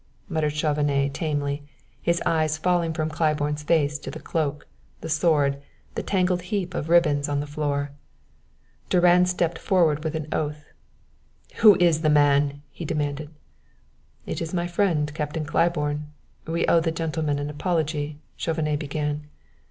muttered Chauvenet tamely, his eyes falling from Claiborne's face to the cloak, the sword, the tangled heap of ribbons on the floor. Durand stepped forward with an oath. "Who is the man?" he demanded. "It is my friend Captain Claiborne. We owe the gentleman an apology " Chauvenet began.